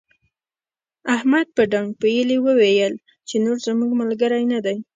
احمد په ډانګ پېيلې وويل چې نور زموږ ملګری نه دی.